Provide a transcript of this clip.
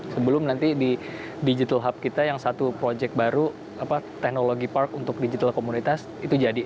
sebelum nanti di digital hub kita yang satu project baru teknologi park untuk digital komunitas itu jadi